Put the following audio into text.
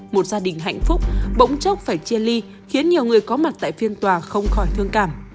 một gia đình hạnh phúc bỗng chốc phải chia ly khiến nhiều người có mặt tại phiên tòa không khỏi thương cảm